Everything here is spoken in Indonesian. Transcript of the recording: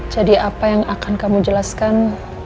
jadi apa yang akan kamu jelaskan